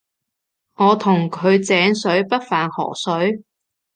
我同佢井水不犯河水